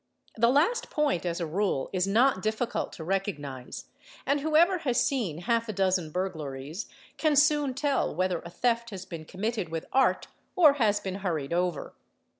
The last point as a rule is not difficult to recognise and whoever has seen half a dozen burglaries can soon tell whether a theft has been committed with art or has been hurried over.